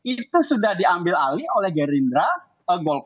itu sudah diambil alih oleh gerindra